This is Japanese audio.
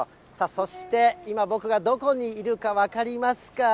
そして今、僕がどこにいるか分かりますか？